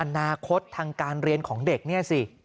อนาคตทางการเรียนของเด็กเนี่ยสิ